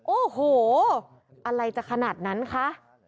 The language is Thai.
โอ้โหอะไรจะขนาดนั้นคะ